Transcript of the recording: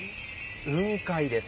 雲海です。